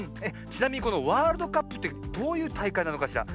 ちなみにこのワールドカップってどういうたいかいなのかしら？